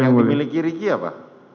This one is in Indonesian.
yang dimiliki riki apa